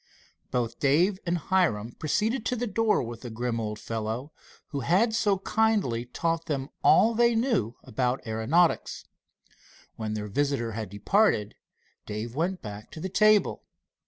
Both Dave and Hiram proceeded to the door with the grim old fellow who had so kindly taught them all they knew about aeronautics. When their visitor had departed, Dave went back to the table.